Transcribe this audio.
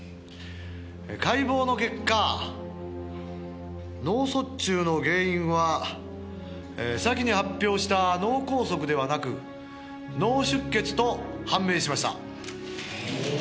「解剖の結果脳卒中の原因は先に発表した脳こうそくではなく脳出血と判明しました」